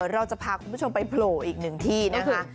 เราจะพาคุณผู้ชมไปโผล่อีกหนึ่งที่นะคะ